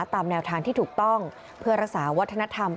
ตามแนวทางที่ถูกต้องเพื่อรักษาวัฒนธรรม